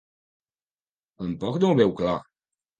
Tampoc no ho veu clar.